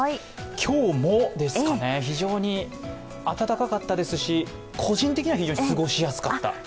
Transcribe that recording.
今日もですかね、非常に暖かかったですし、個人的には非常に過ごしやすかった。